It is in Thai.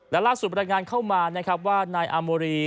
และล่าสุดบรรดงานเข้ามาว่านายอามโมรี